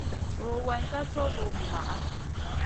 Rugayn ká co vo vumaʼa.